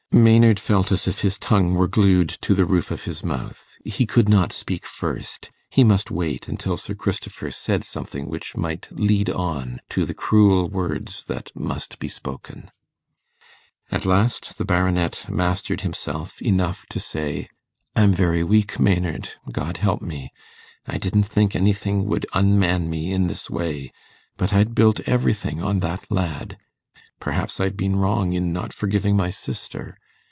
Maynard felt as if his tongue were glued to the roof of his mouth. He could not speak first: he must wait until Sir Christopher said something which might lead on to the cruel words that must be spoken. At last the Baronet mastered himself enough to say, 'I'm very weak, Maynard God help me! I didn't think anything would unman me in this way; but I'd built everything on that lad. Perhaps I've been wrong in not forgiving my sister.